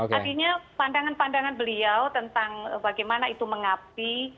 artinya pandangan pandangan beliau tentang bagaimana itu mengabdi